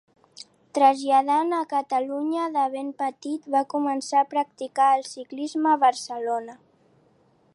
Traslladat a Catalunya de ben petit, va començar a practicar el ciclisme a Barcelona.